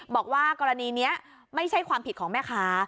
บอกว่ากรณีนี้ไม่ใช่ความผิดของแม่ค้า